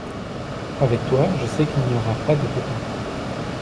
Avec toi, je sais qu’il n’y aura pas de pépins.